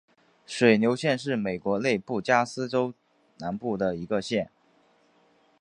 水牛县是美国内布拉斯加州中南部的一个县。